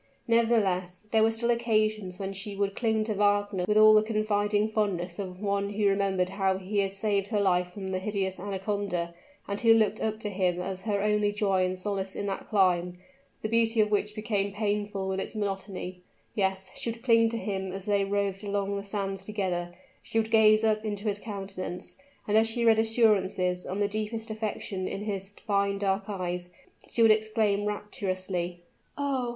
Nevertheless, there were still occasions when she would cling to Wagner with all the confiding fondness of one who remembered how he had saved her life from the hideous anaconda, and who looked up to him as her only joy and solace in that clime, the beauty of which became painful with its monotony yes, she would cling to him as they roved along the sands together she would gaze up into his countenance, and as she read assurances of the deepest affection in his fine dark eyes, she would exclaim rapturously, "Oh!